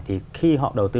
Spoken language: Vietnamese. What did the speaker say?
thì khi họ đầu tư